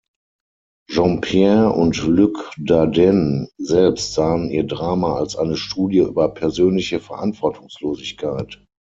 Jean-Pierre und Luc Dardenne selbst sahen ihr Drama als eine Studie über persönliche Verantwortungslosigkeit.